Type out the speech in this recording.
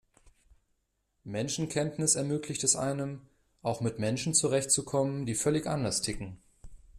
Menschenkenntnis ermöglicht es einem, auch mit Menschen zurechtzukommen, die völlig anders ticken.